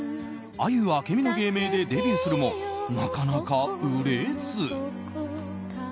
あゆ朱美の芸名でデビューするもなかなか売れず。